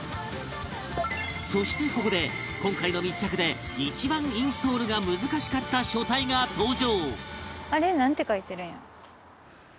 そしてここで今回の密着で一番インストールが難しかった書体が登場！